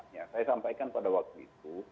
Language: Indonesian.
ya saya sampaikan pada waktu itu